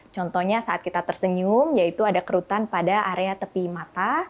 contohnya saat kita tersenyum yaitu ada kerutan pada area tepi mata